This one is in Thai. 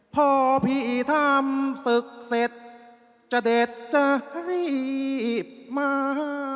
พอพี่ทำศึกเสร็จจะเด็ดจะให้มา